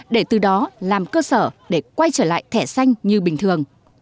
để từ đó làm cơ sở để quay trở lại thẻ xanh như bình thường